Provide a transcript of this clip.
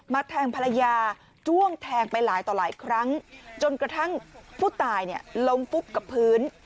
แทงภรรยาจ้วงแทงไปหลายต่อหลายครั้งจนกระทั่งผู้ตายเนี่ยล้มฟุบกับพื้น